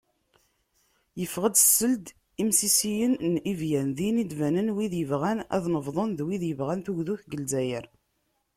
Yeffeɣ-d seld imsisiyen n Ivyan, din i d-banen wid yebɣan ad nebḍen d wid yebɣan tugdut deg Lezzayer.